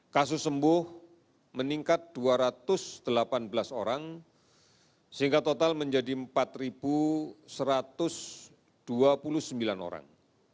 kasus sembuh meningkat dua ratus delapan belas orang sehingga total menjadi empat satu ratus dua puluh sembilan orang